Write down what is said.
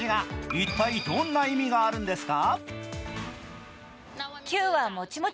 一体どんな意味があるんですか。